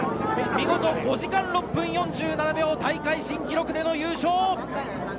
見事、５時間６分４７秒大会新記録での優勝！